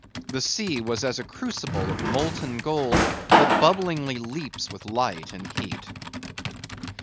The sea was as a crucible of molten gold, that bubblingly leaps with light and heat.